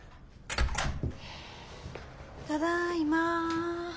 ただいま。